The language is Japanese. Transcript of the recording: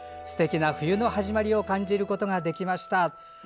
すてきな冬の始まりを感じることができました。